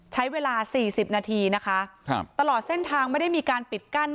ใช้เวลาสี่สิบนาทีนะคะครับตลอดเส้นทางไม่ได้มีการปิดกั้น